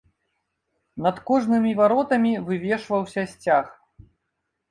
Над кожнымі варотамі вывешваўся сцяг.